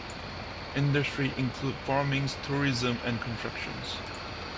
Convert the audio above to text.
Industries include farming, tourism, and construction.